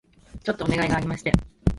ちょっとお願いがありまして